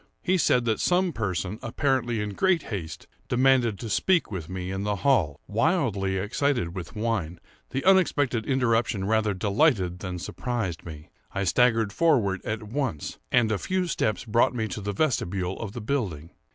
He said that some person, apparently in great haste, demanded to speak with me in the hall. Wildly excited with wine, the unexpected interruption rather delighted than surprised me. I staggered forward at once, and a few steps brought me to the vestibule of the building.